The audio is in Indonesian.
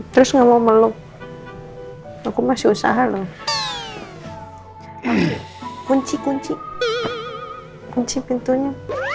terus ngomong meluk aku masih usaha loh kunci kunci kunci pintunya